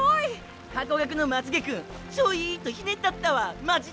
ハコガクのマツ毛くんちょいーとひねったったわマジで。